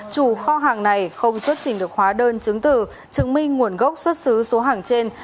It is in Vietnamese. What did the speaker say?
chủ kho hàng này không xuất trình được hóa đơn chứng tử chứng minh nguồn gốc xuất xứ số hàng trên